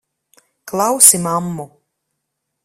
Klausi mammu!